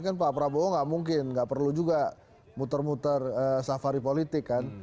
kan pak prabowo nggak mungkin nggak perlu juga muter muter safari politik kan